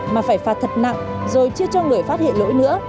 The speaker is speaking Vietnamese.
mà phải phạt thật nặng rồi chia cho người phát hiện lỗi nữa